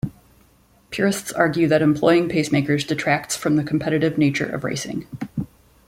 Purists argue that employing pacemakers detracts from the competitive nature of racing.